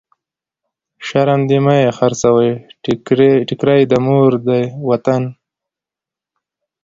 شرم دی مه يې خرڅوی، ټکری د مور دی وطن.